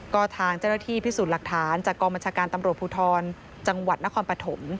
ก็ทางเจ้าหน้าที่พิสูจน์หลักฐานจากกองบัญชาการตำรวจภูทรจังหวัดนครปฐม